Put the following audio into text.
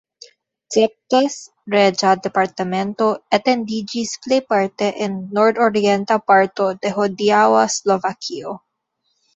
Szepes reĝa departemento etendiĝis plejparte en nordorienta parto de hodiaŭa Slovakio.